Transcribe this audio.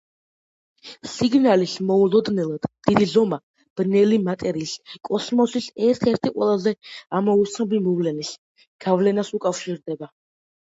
სიგნალის მოულოდნელად დიდი ზომა ბნელი მატერიის, კოსმოსის ერთ-ერთი ყველაზე ამოუცნობი მოვლენის, გავლენას უკავშირდება.